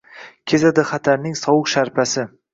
Kezadi xatarning sovuq sharpasi.